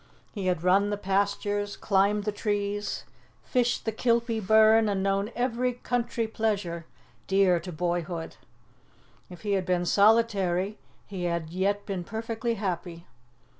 He had run the pastures, climbed the trees, fished the Kilpie burn, and known every country pleasure dear to boyhood. If he had been solitary, he had yet been perfectly happy.